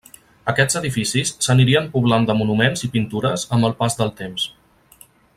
Aquests edificis s'anirien poblant de monuments i pintures amb el pas del temps.